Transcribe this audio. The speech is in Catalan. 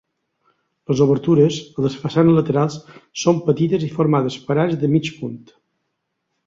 Les obertures, a les façanes laterals, són petites i formades per arcs de mig punt.